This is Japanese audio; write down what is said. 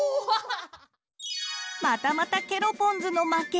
またまたケロポンズの負け。